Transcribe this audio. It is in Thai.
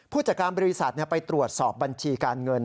ผู้จัดการบริษัทไปตรวจสอบบัญชีการเงิน